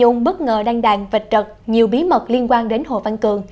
hồ văn cường bất ngờ đăng đàn vệch trật nhiều bí mật liên quan đến hồ văn cường